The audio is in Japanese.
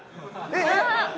えっ！